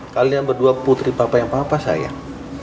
kalian berdua putri bapak yang papa sayang